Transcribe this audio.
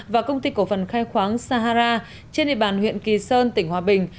và công ty cổ phần khai khoáng sahara trên địa bàn huyện kỳ sơn tỉnh hòa bình